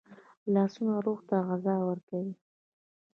لاسونه روح ته غذا ورکوي